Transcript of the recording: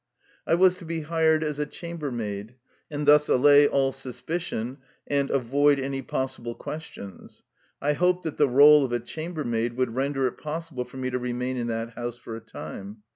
I was to be hired as a chambermaid, and thus allay all suspicion and avoid any possi ble questions. I hoped that the role of a chamber maid would render it possible for me to remain in that house for a time.